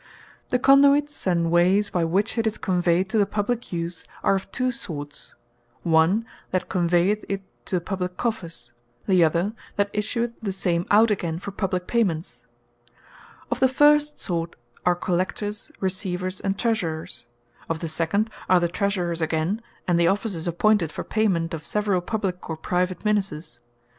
The Conduits And Way Of Mony To The Publique Use The Conduits, and Wayes by which it is conveyed to the Publique use, are of two sorts; One, that Conveyeth it to the Publique Coffers; The other, that Issueth the same out againe for publique payments. Of the first sort, are Collectors, Receivers, and Treasurers; of the second are the Treasurers againe, and the Officers appointed for payment of severall publique or private Ministers.